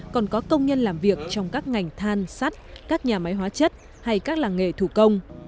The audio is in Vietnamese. còn có công nhân làm việc trong các ngành than sắt các nhà máy hóa chất hay các làng nghề thủ công